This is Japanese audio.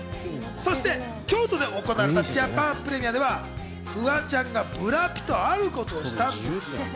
そして京都で行われたジャパンプレミアではフワちゃんがブラピとあることをしたんですが。